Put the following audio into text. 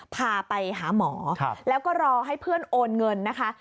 พาไปหาหมอแล้วก็รอให้เพื่อนโอนเงินนะคะ